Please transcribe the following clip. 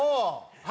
はい。